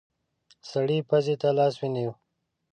سړی پزې ته لاس ونيو.